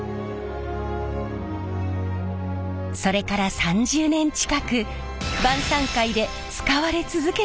それから３０年近く晩さん会で使われ続けています。